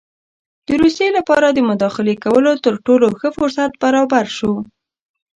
د روسیې لپاره د مداخلې کولو تر ټولو ښه فرصت برابر شو.